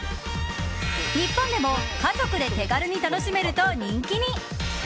日本でも家族で手軽に楽しめると人気に。